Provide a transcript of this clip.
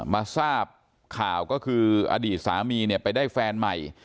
มาทราบข่าวก็คืออดีตสามีเนี่ยไปได้แฟนใหม่